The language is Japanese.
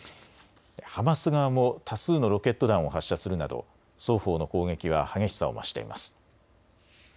ハマス側も多数のロケット弾を発射するなど双方の攻撃は激しさを増しています。